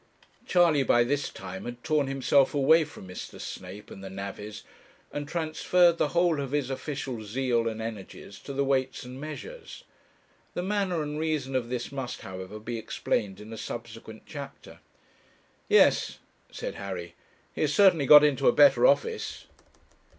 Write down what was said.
Charley by this time had torn himself away from Mr. Snape and the navvies, and transferred the whole of his official zeal and energies to the Weights and Measures. The manner and reason of this must, however, be explained in a subsequent chapter. 'Yes,' said Harry, 'he has certainly got into a better office.'